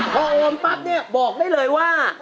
พอโอนปั๊บเนี่ยบอกได้เลยว่า